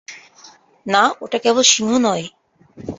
না, ওটা কেবল সিংহ নয়।